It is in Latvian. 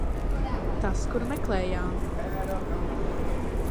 Tas, kuru meklējām.